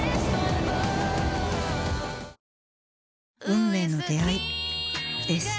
運命の出会いです。